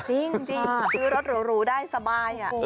จริงซื้อรถหรูได้สบาย